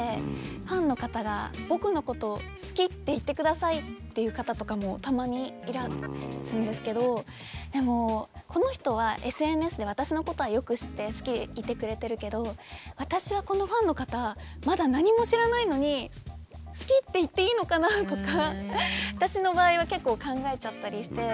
ファンの方が「僕のことを好きって言ってください」って言う方とかもたまにいらっしゃるんですけどでもこの人はＳＮＳで私のことはよく知って好きでいてくれてるけど私はこのファンの方まだ何も知らないのに「好き」って言っていいのかなとか私の場合は結構考えちゃったりして。